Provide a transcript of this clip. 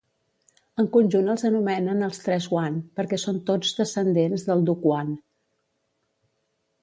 En conjunt els anomenen els Tres Huan perquè són tots descendents del Duc Huan.